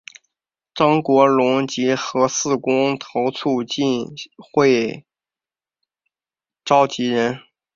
张国龙及核四公投促进会召集人。